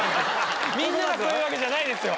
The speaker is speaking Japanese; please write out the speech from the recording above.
みんながそういうわけじゃないですよ！